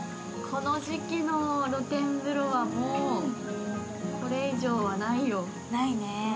この時期の露天風呂はもうこれ以上はないよ。